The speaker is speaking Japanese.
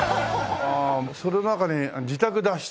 その中に自宅脱出